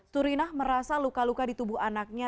turinah merasa luka luka di tubuh anaknya